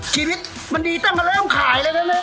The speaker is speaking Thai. ชีวิตมันดีตั้งกว่าแล้วขายเลยนะ